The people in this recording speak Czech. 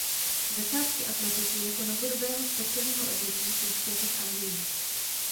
Začátky atletiky jako novodobého sportovního odvětví jsou spjaty s Anglií.